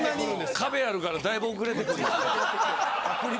・壁あるからだいぶ遅れてくる。